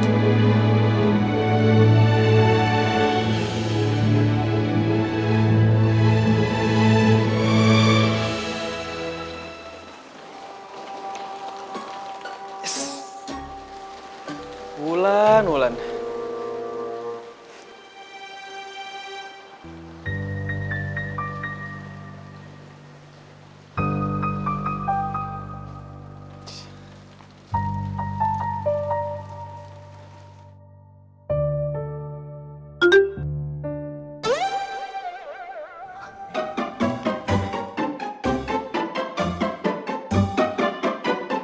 gak nyangka ternyata lo pantang menyerah man